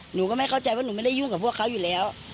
หนูก็ไม่เข้าใจว่าหนูไม่ได้ยุ่งกับพวกเขาอยู่แล้ว